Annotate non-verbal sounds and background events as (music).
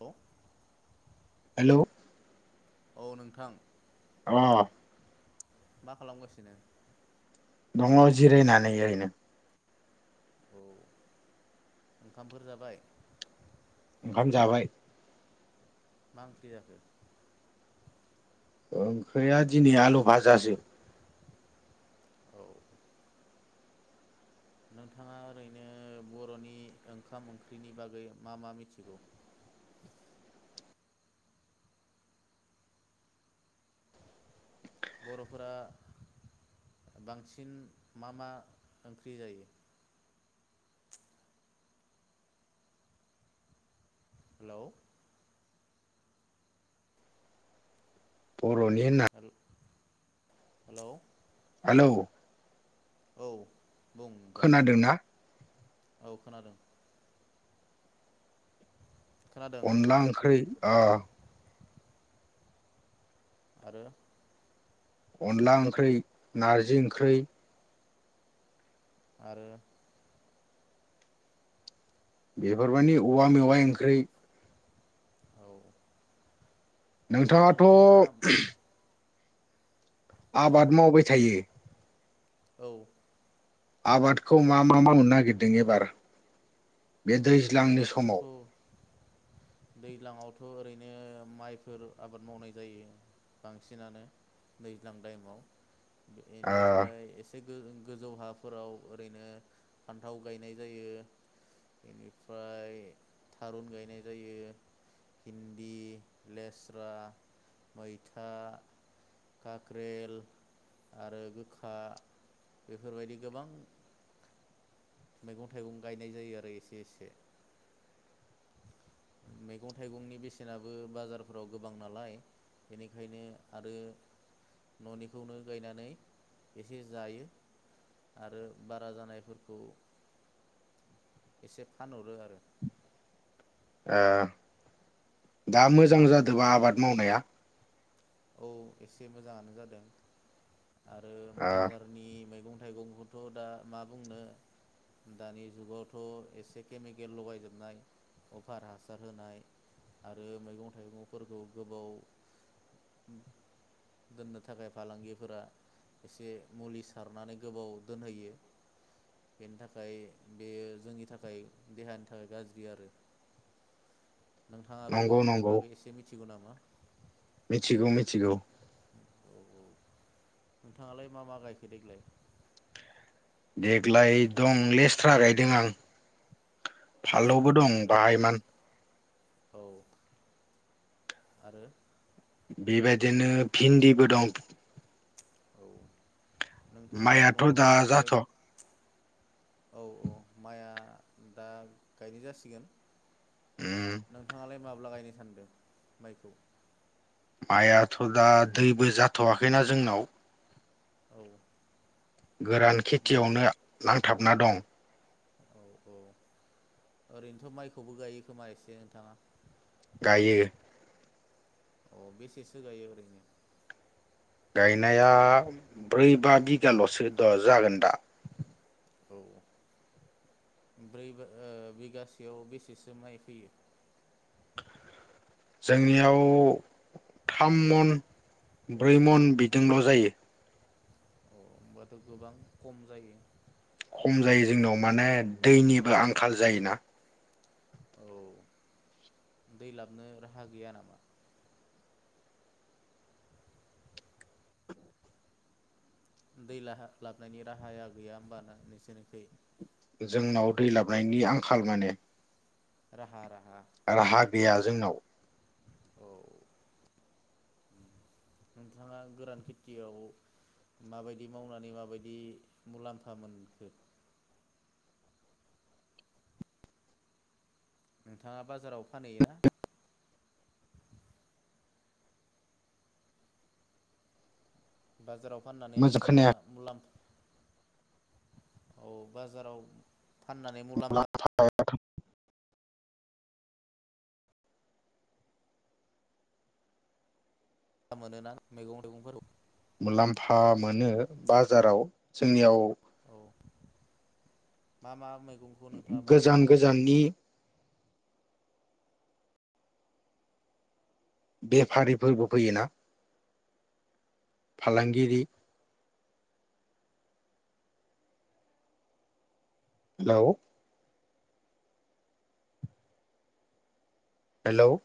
औ हेलौ औ नोंथां। अ' मा खालामगासिनो? दङ जिरायनानै ओरैनो। औ ओंखामफोर जाबाय? ओंखाम जाबाय मा ओंख्रि जाखो? ओंख्रिया दिनै आलु भाजासो। औ नोंथाङा ओरैनो बर'नि ओंखाम ओंख्रिनि बागै मा मा मिथिगौ? बर'फोरा बांसिन मा मा ओंख्रि जायो? हेलौ। बर'नि होना हेल' हेल' औ बुं नोंथां खोनादोंना? औ खोनादों। खोनादों अनला ओंख्रि आ आरो। अनला ओंख्रै नारजि ओंख्रै आरो बेफोरमानि औवा मेवाइ ओंख्रै औ नोंथाङाथ'। नोंथाङा बुं आबाद मावबाय थायो औ। आबादखौ मा मा मावनो नागिरदों एबार बे दैज्लांनि समाव दैज्लांआवथ' ओरैनो माइफोर आबाद मावनाय जायो बांसिनानो दैज्लां टाइमाव ओ बेनिफ्राय एसे गो गोजौ हाफोराव ओरैनो फान्थाव गायनाय जायो इनि फ्राय थारुन गायनाय जायो भिन्दि, लेस्रा, मैथा, काक्रेल आरो गोखा बेफोरबायदि गोबां मैगं थाइगं गायनाय जायो आरो एसे एसे मैगं थाइगंनि बेसेनाबो बाजारफोराव गोबां नालाय बेनिखायनो आरो न'निखौनो गायनानै एसे जायो आरो बारा जानायफोरखौ एसे फानहरो आरो। आ दा मोजां बा जादोंबा आबाद मावनाया? औ एसे मोजाङानो जादों। आरो ओ बाजारनि मैगं मैगं थाइगंखौथ' दा मा बुंनो दानि जुगावथ' एसे केमिकेल लगायजोबनाय अफार हासार होनाय आरो मैगं थाइगंफोरखौ गोबाव दोननो थाखाय फालांगिफोरा एसे मुलि सारनानै गोबाव दोनहैयो बेनि थाखाय बेयो जोंनि थाखाय देहानि थाखाय गाज्रि आरो नोंथाङाबो नंगौ बेफोरनि नंगौ बागै एसे मिथि थिगौ नामा? मिथिगौ मिथिगौ औ औ नोंथाङालाय मा मा गायखो देग्लाय देग्लाय दं लेस्थ्रा गायदों आं। लेस्रा फाललौबो दं बेनिफ्राय बाहाइ मान औ आरो बेबायदिनो भिन्दिबो दं औ नोंथाङा माइयाथ' दा न'आवल' जानो गाय जाथ' औ औ माइआ दा गायनो जासिगोन। उम नोंथाङालाय माब मब्ला गायनो सानदों माइखौ? माइआथ' दा दैबो जाथ'वाखैना जोंनाव औ गोरान मा खेथियावनो नांथाबना दं। औ औ ओरैनोथ' माइखौबो गायो खोमा एसे नोंथाङा? गायो अ बेसेसो गायो ओरैनो? गायनाया ब्रै बा बिगाल'सो द जागोन दा औ ब्रै बा ओ बिगासेयाव बेसेसो माइ फैयो? जोंनियाव थाम मन ब्रै मन बिदोंल' जायो अ होमबाथ' गोबां खम जायो खम जायो जोंनाव माने दैनिबो आंखाल जायोना औ दै लाबनो राहा गैया नामा? दै लाहा लाबनायनि राहाया गैया होमबाना नोंसोरनिखै? जोंनाव दै लाबनायनि आंखाल माने। राहा रा राहा गैया जोंनाव। औ नोंथाङा गोरान खेथियाव माबायदि मावनानै माबायदि मुलाम्फा मोनखो? नोंथाङा बाजाराव फानहैयोना? बाजाराव फाननानै मोजां नोंथाङा खोनाया मुलाम औ बाजाराव फाननानै मुलाम्फा (unintelligible) मोनोना मैगं थाइगंफोरखौ मुलाम्फा मोनो बाजाराव जोंनियाव औ मा मा मैगं गोजान गोजाननि बेफारिफोरबो फैयोना फालांगिरि हेलौ हेलौ